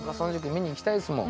見に行きたいですもん。